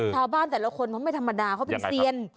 แต่ละคนเขาไม่ธรรมดาเขาเป็นเซียน